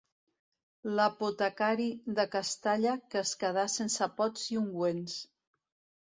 L'apotecari de Castalla, que es quedà sense pots i ungüents.